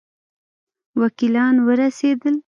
وکیلان ورسېدل.